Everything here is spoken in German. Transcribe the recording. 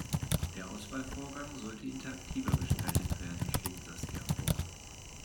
Der Auswahlvorgang sollte interaktiver gestaltet werden, schlägt Saskia vor.